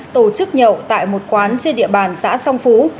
tổ chức nhậu tại một quán trên địa bàn xã song phú